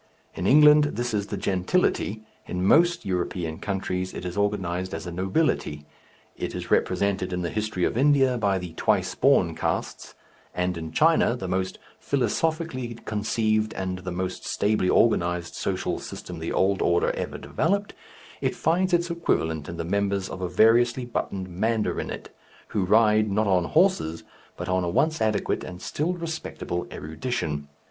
In England this is the gentility, in most European countries it is organized as a nobility; it is represented in the history of India by the "twice born" castes, and in China the most philosophically conceived and the most stably organized social system the old order ever developed it finds its equivalent in the members of a variously buttoned mandarinate, who ride, not on horses, but on a once adequate and still respectable erudition.